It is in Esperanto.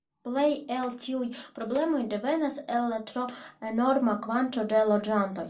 Plej el tiuj problemoj devenas el la tro enorma kvanto de loĝantoj.